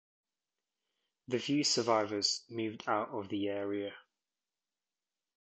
The few survivors moved out of the area.